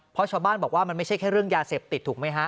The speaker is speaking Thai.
เพราะชาวบ้านบอกว่ามันไม่ใช่แค่เรื่องยาเสพติดถูกไหมฮะ